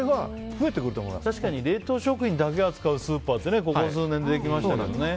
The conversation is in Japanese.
確かに冷凍食品だけ扱うスーパーってここ数年でできましたよね。